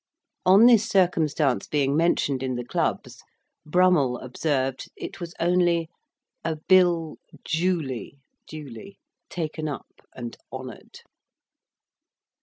On this circumstance being mentioned in the clubs, Brummell observed it was only "a Bill Jewly (duly) taken up and honoured."